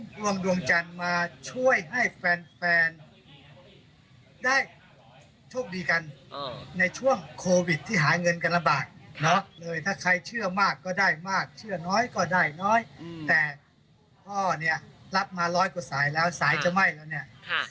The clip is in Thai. พ่อเนี่ยรับมาร้อยกว่าสายแล้วสายจะไหม้แล้วเนี่ย